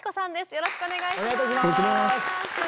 よろしくお願いします。